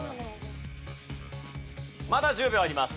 まだ１０秒あります。